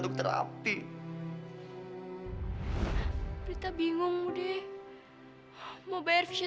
budenuki berusaha menyembunyikan kesulitannya